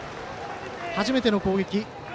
初めての攻撃